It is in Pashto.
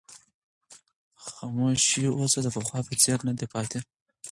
خاموشي اوس د پخوا په څېر نه ده پاتې.